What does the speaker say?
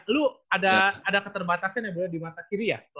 lu ada keterbatasan ya bro di mata kiri ya